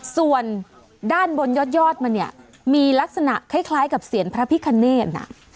ส่วนด้านบนยอดมันเนี่ยมีลักษณะคล้ายกับเสียงพระพิคเนธ